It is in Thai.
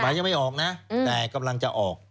ปฏิบัติยังไม่ออกนะแต่จากกำลังจะออก